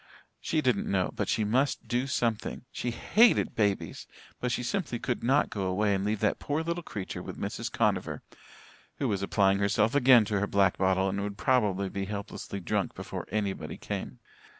She didn't know, but she must do something. She hated babies but she simply could not go away and leave that poor little creature with Mrs. Conover who was applying herself again to her black bottle and would probably be helplessly drunk before anybody came.